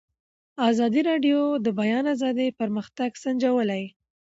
ازادي راډیو د د بیان آزادي پرمختګ سنجولی.